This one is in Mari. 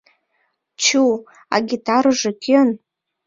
Чу, а гитарыже кӧн?